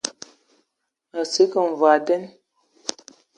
Mə sə kig mvɔi nden.